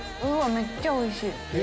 めっちゃおいしい！